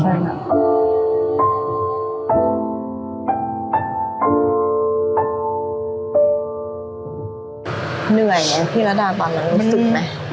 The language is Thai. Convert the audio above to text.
เหนื่อยไหมพี่ระดาตอนนั้นรู้สึกไหม